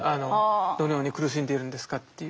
「どのように苦しんでいるんですか」という。